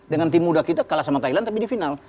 dengan tim muda kita kalah sama thailand tapi di final